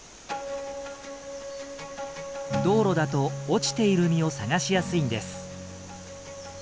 道路だと落ちている実を探しやすいんです。